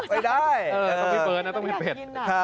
ไม่ได้เออต้องมีเปิ้ลนะต้องมีเผ็ด